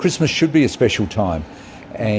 krismas harus menjadi waktu yang istimewa